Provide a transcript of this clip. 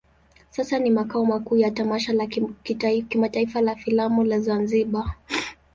Sasa ni makao makuu ya tamasha la kimataifa la filamu la Zanzibar.